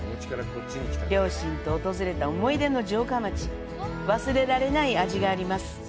両親と訪れた思い出の城下町、忘れられない味があります。